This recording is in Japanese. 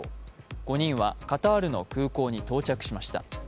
５人はカタールの空港に到着しました。